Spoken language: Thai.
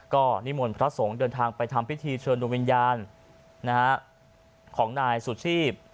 ก็นิมนต์พระสงฆ์เดินทางไปทำพิธีเชิญดวงวิญญาณของนายสุชีพ